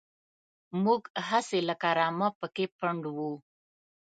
موږ هسې لکه رمه پکې پنډ وو.